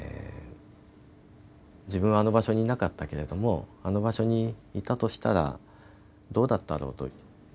自分はあの場所にいなかったけれどもあの場所にいたとしたらどうだったろうと。